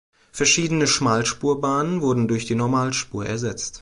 Verschiedene Schmalspurbahnen wurden durch die Normalspur ersetzt.